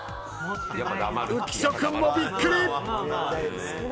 浮所君もびっくり！